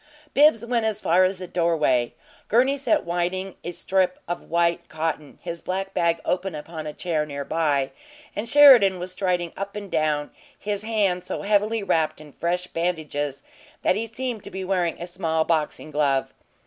Bibbs went as far as the doorway. Gurney sat winding a strip of white cotton, his black bag open upon a chair near by; and Sheridan was striding up and down, his hand so heavily wrapped in fresh bandages that he seemed to be wearing a small boxing glove.